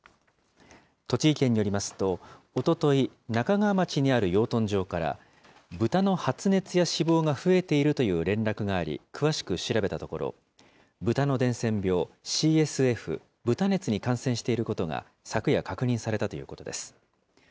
栃木県によりますと、おととい、那珂川町にある養豚場から、ブタの発熱や死亡が増えているという連絡があり、詳しく調べたところ、ブタの伝染病ＣＳＦ・豚熱に感染していることが、昨夜、確認されたということです。